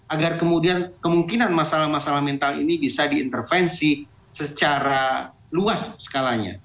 agar kemudian kemungkinan masalah masalah mental ini bisa diintervensi secara luas skalanya